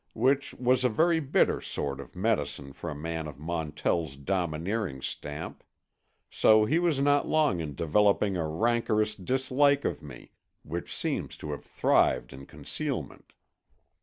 Which was a very bitter sort of medicine for a man of Montell's domineering stamp. So he was not long in developing a rancorous dislike of me, which seems to have thrived on concealment.